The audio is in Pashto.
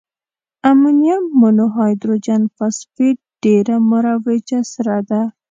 امونیم مونو هایدروجن فاسفیټ ډیره مروجه سره ده.